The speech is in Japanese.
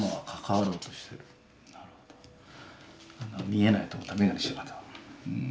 見えないと思ったら眼鏡してなかった。